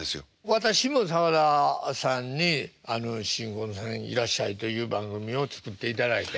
私も澤田さんに「新婚さんいらっしゃい！」という番組を作っていただいて。